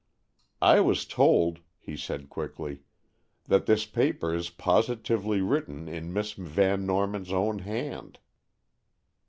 "I was told," he said quickly, "that this paper is positively written in Miss Van Norman's own hand."